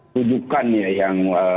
tujukan ya yang